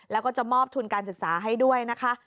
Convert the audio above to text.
แล้วก็จะมอบทุนการศึกษาให้ด้วยนะคะ